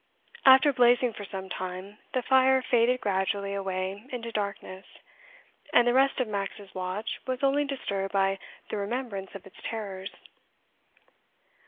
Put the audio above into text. After blazing for some time, the fire faded gradually away into darkness, and the rest of Max's watch was only disturbed by the remembrance of its terrors.